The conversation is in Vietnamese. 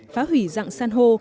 phá hủy dạng san hô